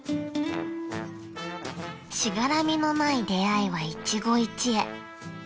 ［しがらみのない出会いは一期一会］